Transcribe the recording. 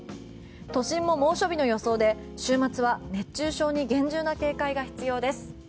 都心も猛暑日の予想で、週末は熱中症に厳重な警戒が必要です。